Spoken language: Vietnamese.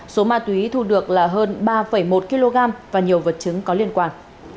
số ma túy thu được là hơn ba một kg và nhiều vật chứng có liên quan